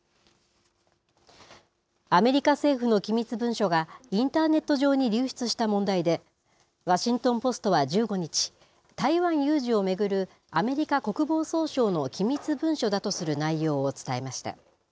アメリカ政府の機密文書がインターネット上に流出した問題で、ワシントン・ポストは１５日、台湾有事を巡るアメリカ国防総省の機密文書だとする内容を伝えました。